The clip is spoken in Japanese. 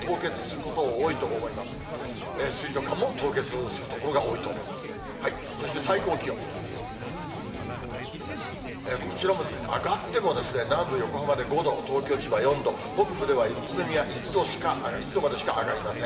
こちらも、上がっても南部、横浜で５度、東京、千葉４度、北部では宇都宮１度までしか上がりません。